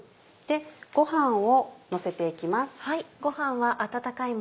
ご飯をのせて行きます。